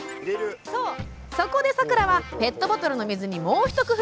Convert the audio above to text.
そこで、さくらはペットボトルの水にもう一工夫。